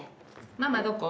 ママどこ？